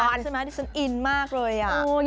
งานที่นายกินก่อนนี่ชั้นใช่มั้ยนี่ฉันอินมากเลย